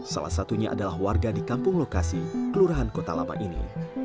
salah satunya adalah warga di kampung lokasi kelurahan kota lama ini